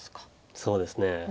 そうですね